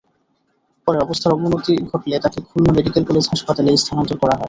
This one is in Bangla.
পরে অবস্থার অবনতি ঘটলে তাঁকে খুলনা মেডিকেল কলেজ হাসপাতালে স্থানান্তর করা হয়।